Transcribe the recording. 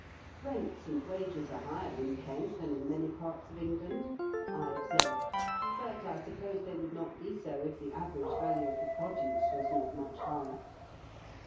Kents and wages are higher in Kent than in many parts of England," I observed ;" but I suppose they would not be so if the average value of the produce was not much higher."